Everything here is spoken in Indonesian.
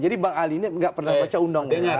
jadi bang ali ini nggak pernah baca undang undang